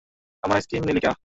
আমার আইস্ক্রিম নিলি ক্যা।